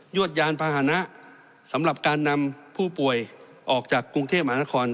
วดยานพาหนะสำหรับการนำผู้ป่วยออกจากกรุงเทพมหานคร